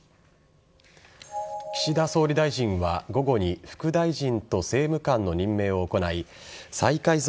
岸田総理大臣は午後に副大臣と政務官の任命を行い再改造